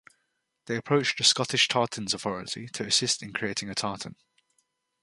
They approached the Scottish Tartans Authority to assist in creating a tartan.